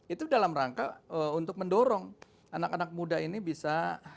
itu dalam rangka untuk mendorong anak anak muda ini bisa